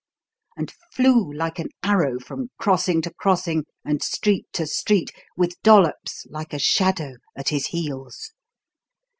and flew like an arrow from crossing to crossing and street to street with Dollops, like a shadow, at his heels.